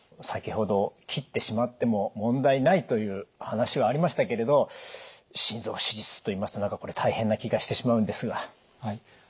先ほど切ってしまっても問題ないという話はありましたけれど「心臓手術」といいますと何かこれ大変な気がしてしまうんですが。